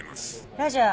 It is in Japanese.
ラジャー。